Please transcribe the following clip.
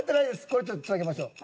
これちょっとつなげましょう。